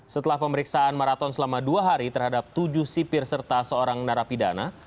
setelah pemeriksaan maraton selama dua hari terhadap tujuh sipir serta seorang narapidana